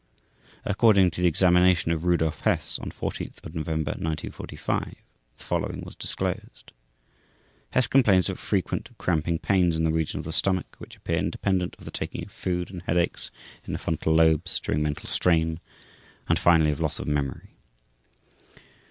According to the examination of Rudolf Hess on 14 November 1945, the following was disclosed: Hess complains of frequent cramping pains in the region of the stomach which appear independent of the taking of food, and headaches in the frontal lobes during mental strain, and, finally, of loss of memory.